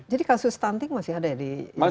jadi kasus stunting masih ada ya di jawa barat